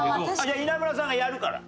あっ稲村さんがやるから。